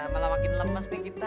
malah makin lemes di kita